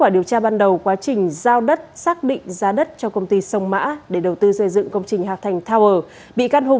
xin chào các bạn